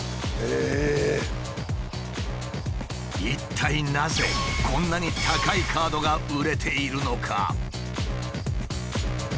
一体なぜこんなに高いカードが売れているのか？